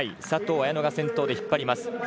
佐藤綾乃が先頭で引っ張ります。